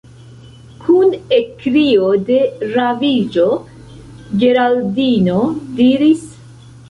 Kun ekkrio de raviĝo Geraldino diris: